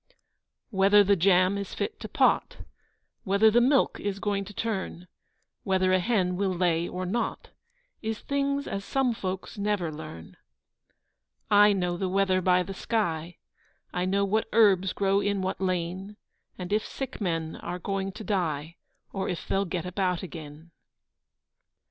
Whether the jam is fit to pot, Whether the milk is going to turn, Whether a hen will lay or not, Is things as some folks never learn. I know the weather by the sky, I know what herbs grow in what lane; And if sick men are going to die, Or if they'll get about again.